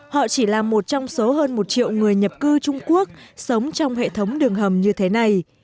họ chỉ là một trong số hơn một triệu người nhập cư trung quốc sống trong hệ thống đường hầm như thế này